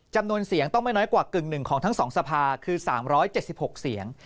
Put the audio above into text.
จำนวนเสียงต้องไม่น้อยกว่ากึ่งหนึ่งของทั้ง๒สภาคือ๓๗๖เสียง